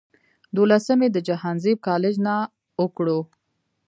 دولسم ئې د جهانزيب کالج نه اوکړو